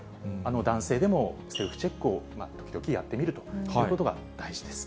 男性でもセルフチェックを時々やってみるということが大事です。